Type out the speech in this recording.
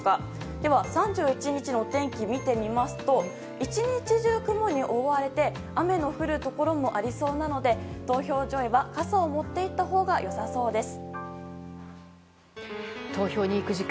では、３１日のお天気見てみますと１日中、雲に覆われて雨の降るところもありそうなので投票所へは傘を持っていったほうが良さそうです。